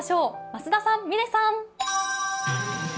増田さん、嶺さん。